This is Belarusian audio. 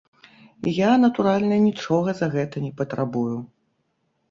Я, натуральна, нічога за гэта не патрабую.